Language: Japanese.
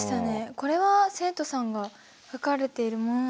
これは生徒さんが書かれているものならきっとオッケーですよね。